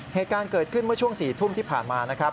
เหตุการณ์เกิดขึ้นเมื่อช่วง๔ทุ่มที่ผ่านมานะครับ